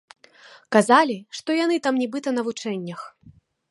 Казалі, што яны там нібыта на вучэннях.